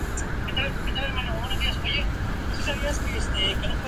La sede de la Arquidiócesis es la Catedral Metropolitana Basílica de San Juan Bautista.